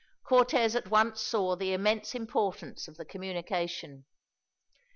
Cortez at once saw the immense importance of the communication.